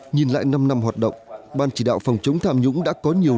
nhìn lại năm năm hoạt động ban chỉ đạo phòng chống tham nhũng đã có nhiều